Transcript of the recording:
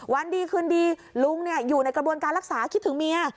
วันดีคืนดีลุงอยู่ในกระบวนการรักษาคิดถึงเมีย